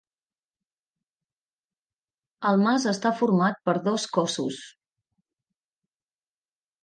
El mas està format per dos cossos.